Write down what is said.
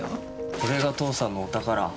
これが父さんのお宝。